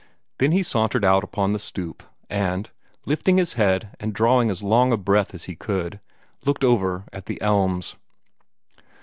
Then he sauntered out upon the stoop, and, lifting his head and drawing as long a breath as he could, looked over at the elms.